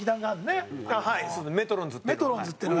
はいメトロンズっていう。